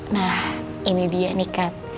nah ini dia nih kat